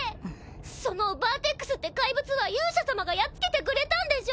そのバーテックスって怪物は勇者様がやっつけてくれたんでしょ？